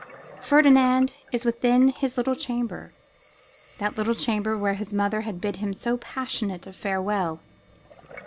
Ferdinand is within his little chamber, that little chamber where his mother had bid him so passionate a farewell.